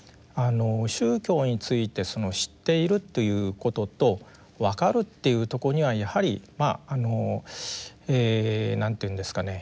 宗教について知っているということとわかるっていうとこにはやはりまあ何て言うんですかね